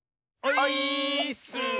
オイーッス！